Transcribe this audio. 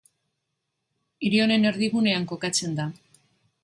Hiri honen erdigunean kokatzen da.